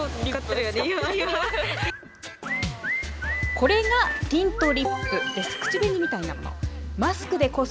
これがティントリップです。